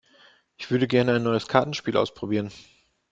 Ich würde gerne ein neues Kartenspiel ausprobieren.